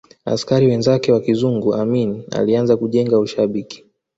askari wenzake wa kizungu Amin alianza kujenga ushabiki